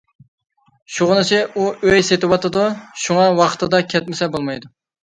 شۇغىنىسى ئۇ ئۆي سېلىۋاتىدۇ، شۇڭا ۋاقتىدا كەتمىسە بولمايدۇ.